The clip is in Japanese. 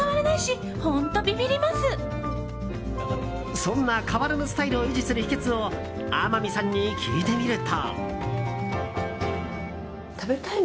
そんな、変わらぬスタイルを維持する秘訣を天海さんに聞いてみると。